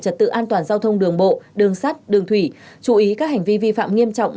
trật tự an toàn giao thông đường bộ đường sắt đường thủy chú ý các hành vi vi phạm nghiêm trọng